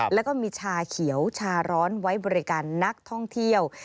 แล้วก็มีชาเขียวชาร้อนไว้บริการนักท่องเที่ยว